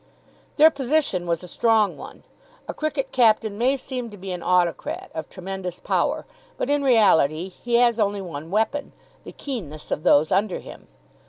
Their position was a strong one. A cricket captain may seem to be an autocrat of tremendous power, but in reality he has only one weapon, the keenness of those under him.